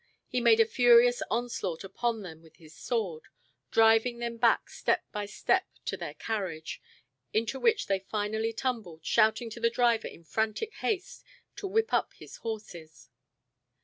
He made a furious onslaught upon them with his sword, driving them back step by step to their carriage, into which they finally tumbled, shouting to the driver in frantic haste to whip up his horses.